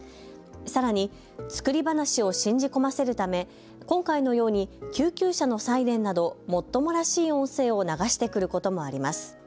さらに作り話を信じ込ませるため今回のように救急車のサイレンなどもっともらしい音声を流してくることもあります。